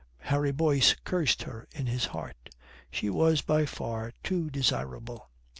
Harry Boyce cursed her in his heart. She was by far too desirable.